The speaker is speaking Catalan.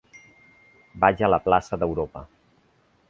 Vaig a la plaça d'Europa.